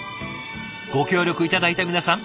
ご協力頂いた皆さん